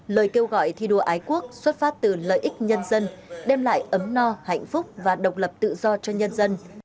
lời kêu gọi thi đua ái quốc xuất phát từ lợi ích nhân dân đem lại ấm no hạnh phúc và độc lập tự do cho nhân dân